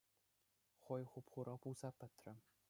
Хӑй хуп-хура пулса пӗтрӗ.